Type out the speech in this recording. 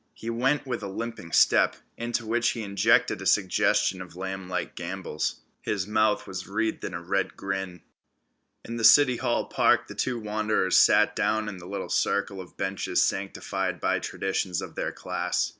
He went with a limping step, into which he injected a suggestion of lamblike gambols. His mouth was wreathed in a red grin. In the City Hall Park the two wanderers sat down in the little circle of benches sanctified by traditions of their class.